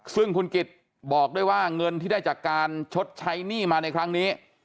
ซึ่งคุณกิจบอกด้วยว่าเงินที่ได้จากการชดใช้หนี้มาในครั้งนี้